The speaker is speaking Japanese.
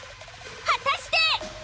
果たして。